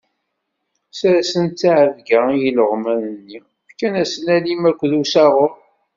Sersen ttɛebga i ileɣman-nni, fkan-asen alim akked usaɣur.